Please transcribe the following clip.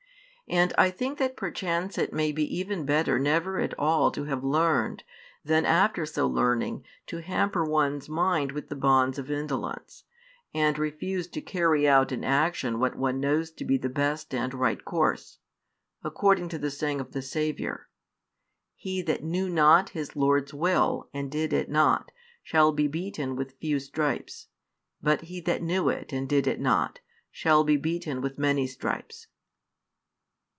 And I think that perchance it may be even better never at all to have learned, than after so learning to hamper one's mind with the bonds of indolence, and refuse to carry out in action what one knows to be the best and right course; according to the saying of the Saviour: He that knew not his lord's will, and did it not, shall be beaten with few stripes; but he that knew it, and did it not, shall be beaten with many stripes.